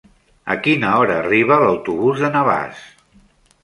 A quina hora arriba l'autobús de Navàs?